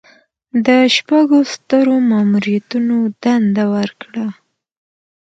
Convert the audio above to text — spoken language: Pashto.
د شپږو سترو ماموریتونو دنده ورکړه.